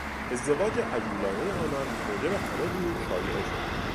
ازدواج عجولانه آنان موجب همهجور شایعه شد.